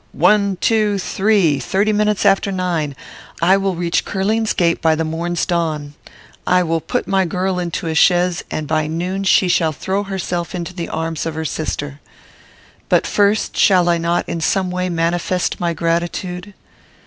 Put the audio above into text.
one, two, three thirty minutes after nine. I will reach Curling's gate by the morn's dawn. I will put my girl into a chaise, and by noon she shall throw herself into the arms of her sister. But first, shall I not, in some way, manifest my gratitude?"